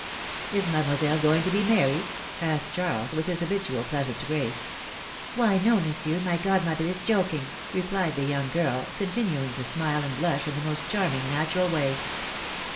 Is Mademoiselle going to be married asked Charles, with his habitual pleasant grace. ^^Why, no! Monsieur, my godmother is joking,'' replied the young girl, continuing to smile and blush in the most charming, natural way.